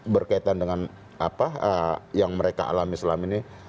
berkaitan dengan apa yang mereka alami selama ini